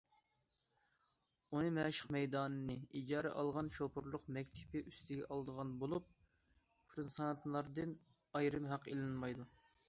ئۇنى مەشىق مەيدانىنى ئىجارىگە ئالغان شوپۇرلۇق مەكتىپى ئۈستىگە ئالىدىغان بولۇپ، كۇرسانتلاردىن ئايرىم ھەق ئېلىنمايدۇ.